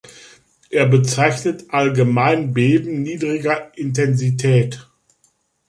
Er bezeichnet allgemein Beben niedriger Intensität.